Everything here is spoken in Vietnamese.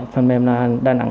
phần mềm là đàn ảnh